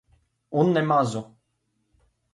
Un ne mazu.